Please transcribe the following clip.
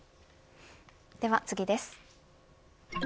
では次です。